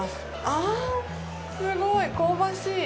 あぁ、すごい香ばしい！